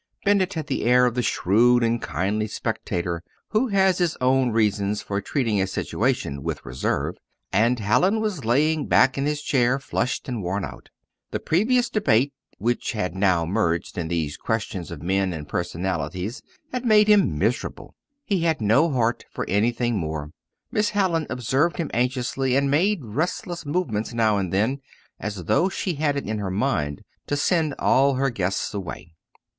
Bennett had the air of the shrewd and kindly spectator who has his own reasons for treating a situation with reserve; and Hallin was lying back in his chair flushed and worn out. The previous debate, which had now merged in these questions of men and personalities, had made him miserable; he had no heart for anything more. Miss Hallin observed him anxiously, and made restless movements now and then, as though she had it in her mind to send all her guests away.